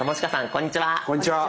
こんにちは。